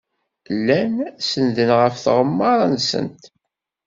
Llan sennden ɣef tɣemmar-nsent.